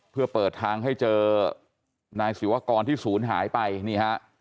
เพื่อเปิดทางให้เจอนายศิวากรที่ศูนย์หายไปนี่ฮะ